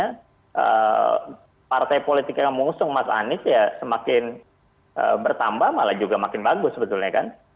karena partai politik yang mengusung mas anies ya semakin bertambah malah juga makin bagus sebetulnya kan